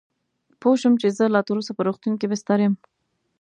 پوه شوم چې زه لا تراوسه په روغتون کې بستر یم.